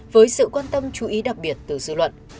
với sự quan tâm chú ý đặc biệt từ dư luận